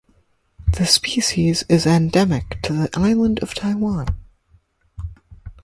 The species is endemic to the island of Taiwan.